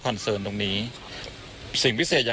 คุณทัศนาควดทองเลยค่ะ